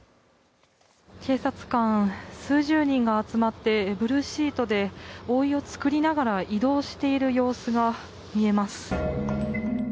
警察官数十人が集まってブルーシートで覆いを作りながら移動している様子が見えます。